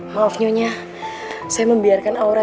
maafnya saya membiarkan aura